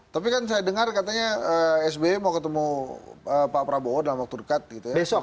tapi kan saya dengar katanya sby mau ketemu pak prabowo dalam waktu dekat gitu ya